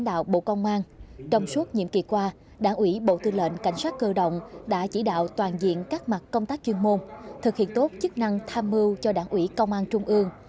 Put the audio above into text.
đảng ủy bộ tư lệnh cảnh sát cơ động đã chỉ đạo toàn diện các mặt công tác chuyên môn thực hiện tốt chức năng tham mưu cho đảng ủy công an trung ương